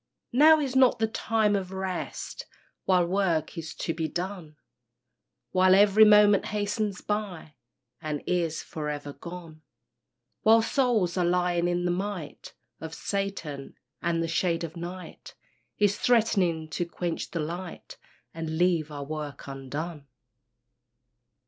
Now is not the time of rest, While work is to be done; While every moment hastens by, And is for ever gone; While souls are lying in the might Of Satan, and the shade of night Is threatening to quench the light And leave our work undone.